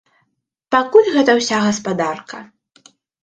Пакуль гэта ўся гаспадарка.